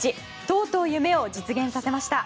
とうとう夢を実現させました。